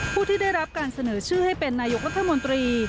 ผู้ที่ได้รับการเสนอชื่อให้เป็นนายกรัฐมนตรี